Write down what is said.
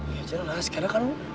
ya jelas karena kan